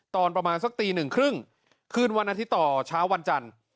ตอนประมาณสักตีหนึ่งครึ่งคืนวันอาทิตย์ต่อเช้าวันจันทร์